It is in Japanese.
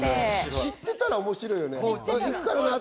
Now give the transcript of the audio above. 知ってたら面白いよね。